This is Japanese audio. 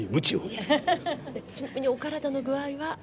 ちなみに、お体の具合は。